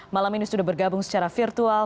malam ini sudah bergabung secara virtual